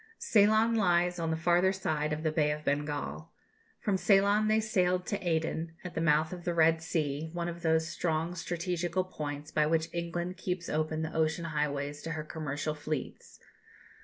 Ceylon lies on the farther side of the Bay of Bengal. From Ceylon they sailed to Aden, at the mouth of the Red Sea, one of those strong strategical points by which England keeps open the ocean highways to her commercial fleets.